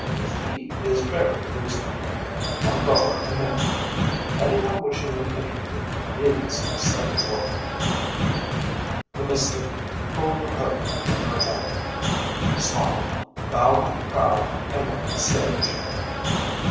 The fee is very reasonable one dollar a minute. Anyone wishing an interview please step forward." The mystic pulled the hood from her head, smiled, bowed at the crowd, and left the stage.